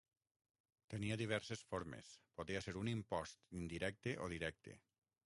Tenia diverses formes, podia ser un impost indirecte o directe.